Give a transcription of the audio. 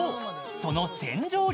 その洗浄力